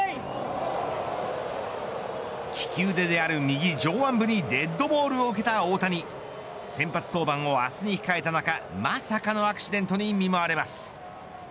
利き腕である右上腕部にデッドボールを受けた大谷先発登板を明日に控えた中まさかのアクシデントに見舞われます。